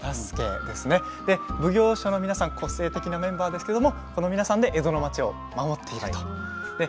そして奉行所の皆さん個性的なメンバーですけれどこのメンバーで江戸の町を守っています。